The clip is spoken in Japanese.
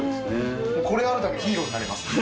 これがあるだけでヒーローになれます。